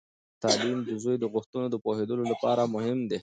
تعلیم د زوی د غوښتنو د پوهیدو لپاره مهم دی.